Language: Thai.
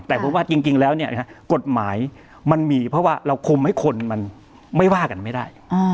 แต่ผมว่าจริงแล้วกฎหมายมันมีเพราะว่าเราคุมให้คนมันไม่ว่ากันไม่ได้